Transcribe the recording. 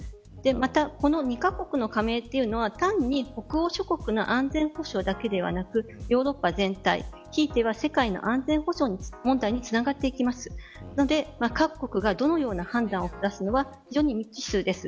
またこの２カ国の加盟というのは単に北欧諸国の安全保障だけではなくヨーロッパ全体、ひいては世界の安全保障問題につながっていきますので各国がどのような判断を下すのか非常に未知数です。